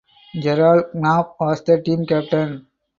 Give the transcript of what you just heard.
Gerald Knapp was the team captain.